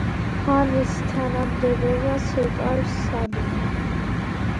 ხანის თანამდებობას იკავებს საბინი.